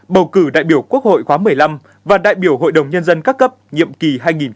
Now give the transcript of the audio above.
bầu cử đại biểu quốc hội khóa một mươi năm và đại biểu hội đồng nhân dân các cấp nhiệm kỳ hai nghìn hai mươi một hai nghìn hai mươi sáu